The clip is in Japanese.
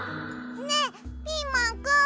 ねえピーマンくんわたし